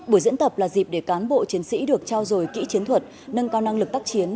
buổi diễn tập là dịp để cán bộ chiến sĩ được trao dồi kỹ chiến thuật nâng cao năng lực tác chiến